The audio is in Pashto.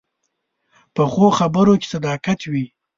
پخو خبرو کې صداقت وي